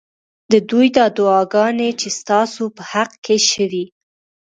ددوی دا دعاګانې چې ستا سو په حق کي شوي